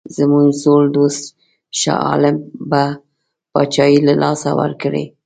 زموږ زوړ دوست شاه عالم به پاچهي له لاسه ورکړي.